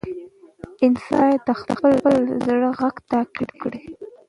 انسان باید د خپل زړه غږ تعقیب کړي.